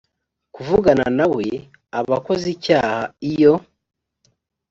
kuvugana na we aba akoze icyaha iyo